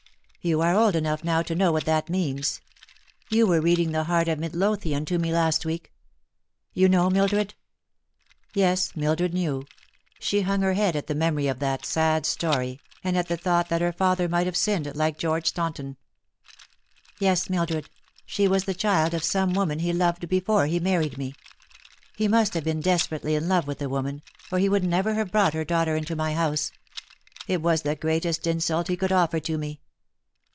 You are old enough now to know what that means. You were reading The Heart of Midlothian to me last week. You know, Mildred ?" Yes, Mildred knew. She hung her head at the memory of that sad story, and at the thought that her father might have Binned like George Staunton. 'Yes, Mildred, she was the child of some woman he loved before he married me. He must have been desperately in love with the woman, or he would never have brought her daughter into my house. It was the greatest insult he could offer to me."